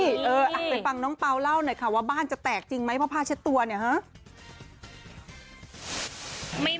ไปฟังน้องเปล่าเล่าหน่อยค่ะว่าบ้านจะแตกจริงไหมเพราะผ้าเช็ดตัวเนี่ยฮะ